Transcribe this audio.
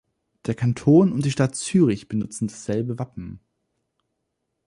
Der Kanton und die Stadt Zürich benutzen dasselbe Wappen.